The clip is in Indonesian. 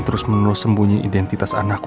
terus menerus sembunyi identitas anakku